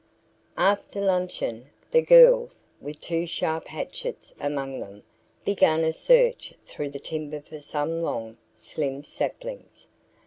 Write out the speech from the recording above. After luncheon, the girls, with two sharp hatchets among them, began a search through the timber for some long, slim saplings.